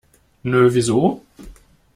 Nö, wieso?